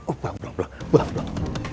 ini terserah nih dong